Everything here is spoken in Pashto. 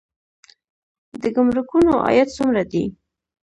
د ګمرکونو عاید څومره دی؟